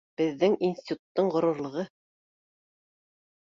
— Беҙҙең институттың ғорурлығы